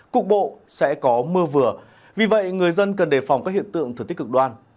cục bộ sẽ có mưa vừa vì vậy người dân cần đề phòng các hiện tượng thừa tích cực đoan